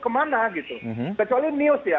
kemana gitu kecuali news ya